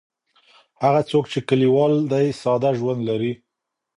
هغه څوک چې کلیوال دی ساده ژوند لري.